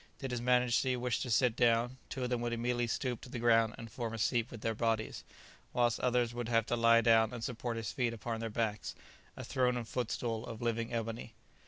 Did his Majesty wish to sit down, two of them would immediately stoop to the ground and form a seat with their bodies, whilst others would have to lie down and support his feet upon their backs: a throne and footstool of living ebony.